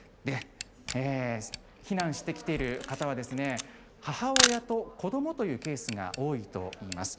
避難してきている方は、母親と子どもというケースが多いといいます。